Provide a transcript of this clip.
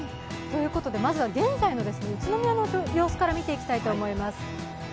まずは現在の宇都宮の様子から見ていきたいと思います。